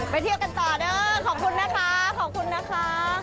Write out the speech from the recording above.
ไปเที่ยวกันต่อด้วยขอบคุณนะคะ